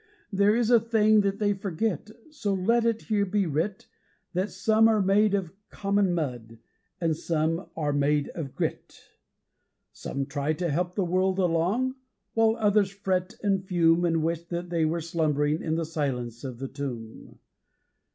There is a thing that they forget, so let it here be writ, That some are made of common mud, and some are made of GRIT; Some try to help the world along while others fret and fume And wish that they were slumbering in the silence of the tomb.